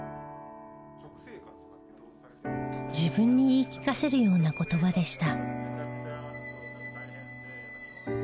自分に言い聞かせるような言葉でした。